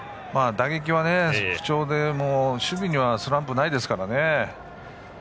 打撃は不調でも守備にはスランプないですからね。